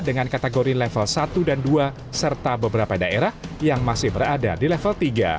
dengan kategori level satu dan dua serta beberapa daerah yang masih berada di level tiga